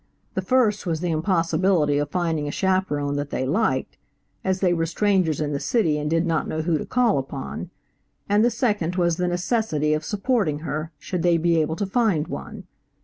The first was the impossibility of finding a chaperone that they liked (as they were strangers in the city and did not know who to call upon), and the second was the necessity of supporting her should they be able to find one.